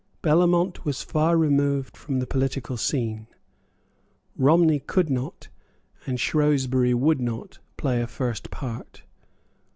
Bellamont was far removed from the political scene. Romney could not, and Shrewsbury would not, play a first part.